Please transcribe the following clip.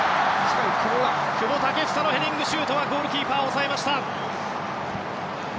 久保建英のヘディングシュートはゴールキーパーが押さえました。